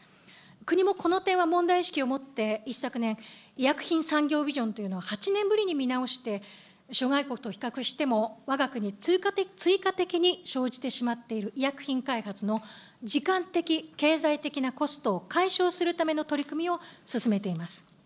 国もこの点は問題意識を持って、一昨年、医薬品産業ビジョンというのを８年ぶりに見直して、諸外国と比較しても、わが国、追加的に生じてしまっている医薬品開発の時間的、経済的なコストを解消するための取り組みを進めています。